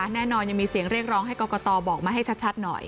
ยังมีเสียงเรียกร้องให้กรกตบอกมาให้ชัดหน่อย